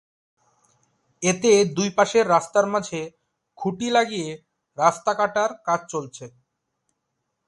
এতে দুই পাশের রাস্তার মাঝে খুঁটি লাগিয়ে রাস্তা কাটার কাজ চলছে।